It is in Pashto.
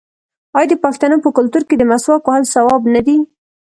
آیا د پښتنو په کلتور کې د مسواک وهل ثواب نه دی؟